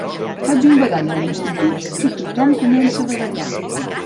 Faig un badall a l'institut i tothom comença a badallar